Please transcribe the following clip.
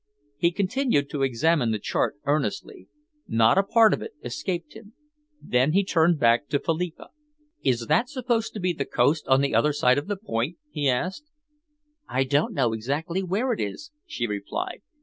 He continued to examine the chart earnestly. Not a part of it escaped him. Then he turned back to Philippa. "Is that supposed to be the coast on the other side of the point?" he asked. "I don't exactly know where it is," she replied.